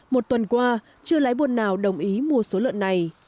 một tuần qua chưa lấy buồn nào đồng ý mua số lợn này